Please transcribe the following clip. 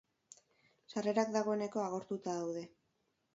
Sarrerak dagoeneko agortuta daude.